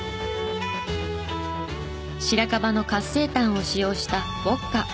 白樺の活性炭を使用したウォッカ。